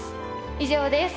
以上です。